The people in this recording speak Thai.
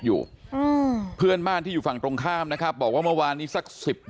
อยู่อืมเพื่อนบ้านที่อยู่ฝั่งตรงข้ามนะครับบอกว่าเมื่อวานนี้สักสิบ